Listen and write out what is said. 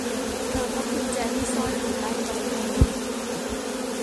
เธอพบกุญแจที่ซ่อนอยู่ใต้โต๊ะเธอ